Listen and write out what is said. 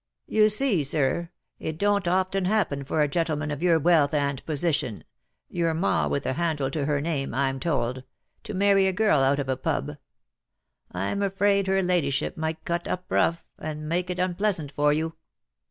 "You see, sir, it don't often happen for a gentleman of your wealth and position — your ma with a handle to her name, I'm told — to marry a girl out of a pub. I'm afraid her ladyship might cut up rough, and make it unpleasant for you."